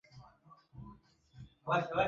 Kabila la kimasai hujivunia sana ngombe wao